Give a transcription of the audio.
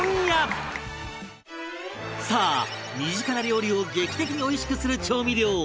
さあ身近な料理を劇的においしくする調味料